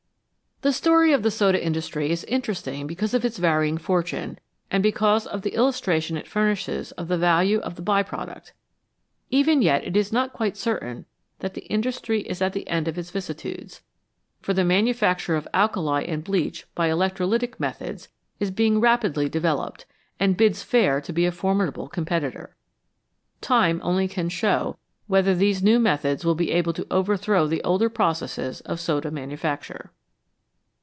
The story of the soda industry is interesting because of its varying fortune, and because of the illustration it furnishes of the value of the by product. Even yet it is not quite certain that the industry is at the end of its vicissitudes, for the manufacture of alkali and bleach by electrolytic methods is being rapidly developed, and bids fair to be a formidable competitor. Time only can show whether these new methods will be able to overthrow the older processes of soda manufacture.